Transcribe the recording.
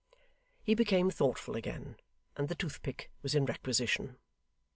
He became thoughtful again, and the toothpick was in requisition.